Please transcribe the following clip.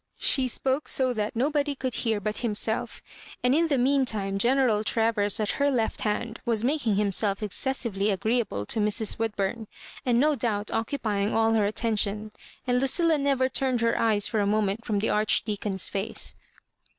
She spoke so that nobody could hear but himself; and in the mean time General Travers at her left hand was making himself excessively agreeable to Mrs. Woodbura, and no doubt occupying all her atten tion; and Lucilla never tumed her eyes for a moment from the Archdeacon's face.